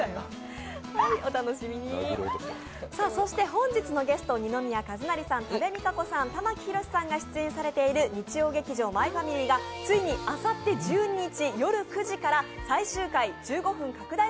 本日のゲスト、二宮和也さん、多部未華子さん、玉木宏さんが出演されている日曜劇場「マイファミリー」がついにあさって１２日夜９時から最終回１５分拡大